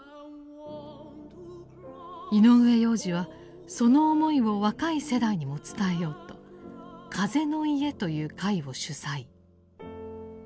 井上洋治はその思いを若い世代にも伝えようと「風の家」という会を主宰。